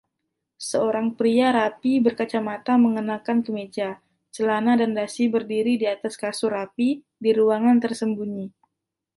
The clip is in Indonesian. Seorang pria rapi berkacamata mengenakan kemeja, celana dan dasi berdiri di atas kasur rapi di ruangan tersembunyi